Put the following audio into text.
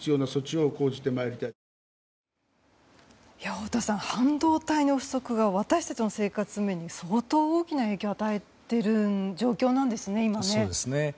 太田さん、半導体の不足が私たちの生活に今、相当、大きな影響を与えている状況なんですね。